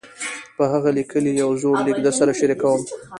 پۀ هغه ليکلے يو زوړ ليک درسره شريکووم -